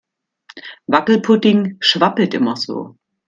Wackelpudding schwabbelt immer so.